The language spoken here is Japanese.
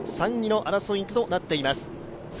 ３位の争いとなっています。